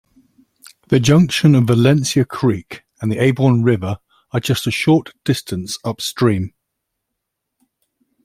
The junction of Valencia Creek and the Avon River are a short distance upstream.